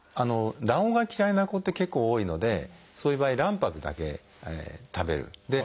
卵黄が嫌いな子って結構多いのでそういう場合卵白だけ食べる。